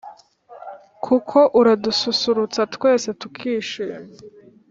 Kuko uradususurutsa twese tukishima